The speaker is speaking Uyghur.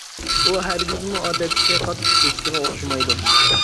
ئۇ ھەرگىزمۇ ئادەتتىكى قاتتىق دىسكىغا ئوخشىمايدۇ.